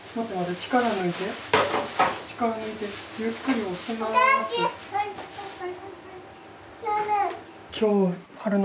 力抜いてゆっくり押します。